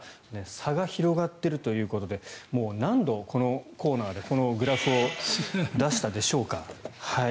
差が広がっているということで何度、このコーナーでこのグラフを出したでしょうか。